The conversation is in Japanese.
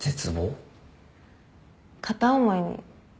片思いに。